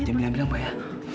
jangan bilang bilang pak ya